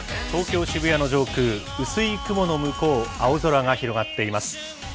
東京・渋谷の上空、薄い雲の向こう、青空が広がっています。